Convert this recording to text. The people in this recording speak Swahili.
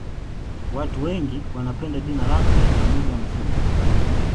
Watu wengi wanapenda jina lake la muda mfupi